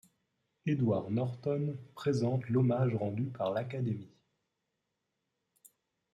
Edward Norton présente l'hommage rendue par l'Académie.